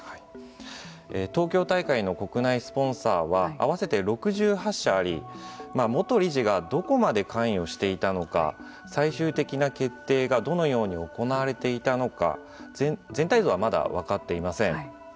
東京大会の国内スポンサーはあわせて６８社あり元理事がどこまで関与していたのか最終的な決定がどのように行われていたのか全体像はまだ分かっていません。